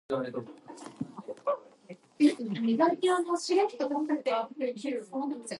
Santos had previously played college soccer for Virginia Commonwealth University.